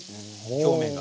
表面が。